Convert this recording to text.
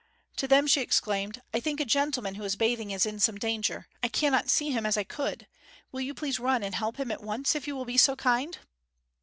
To them she exclaimed, 'I think a gentleman who was bathing is in some danger. I cannot see him as I could. Will you please run and help him, at once, if you will be so kind?'